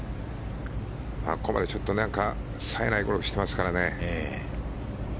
ここまでちょっと冴えないゴルフをしていますからね。